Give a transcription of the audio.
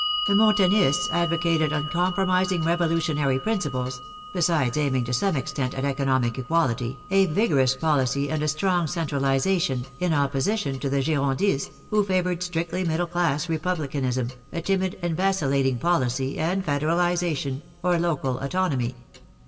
The Mountainists advocated uncompromising revolutionary principles (besides aiming to some extent at economic equality), a vigorous policy and a strong centralization, in opposition to the Girondists, who favored strictly middle class Republicanism, a timid and vacillating policy, and federalization, or local autonomy.